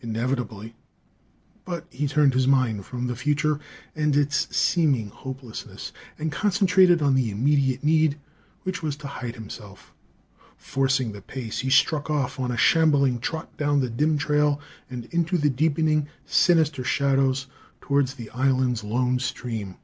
Inevitably But he turned his mind from the future and its seeming hopelessness, and concentrated on the immediate need, which was to hide himself. Forcing the pace, he struck off on a shambling trot down the dim trail, on into the deepening, sinister shadows towards the island's lone stream.